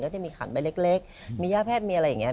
จะมีขันใบเล็กมีย่าแพทย์มีอะไรอย่างนี้